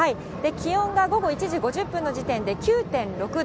気温が午後１時５０分の時点で９．６度。